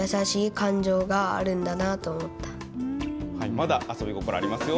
まだ遊び心ありますよ。